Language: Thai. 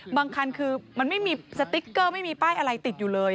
บางคันคือมันไม่มีสติ๊กเกอร์ไม่มีป้ายอะไรติดอยู่เลย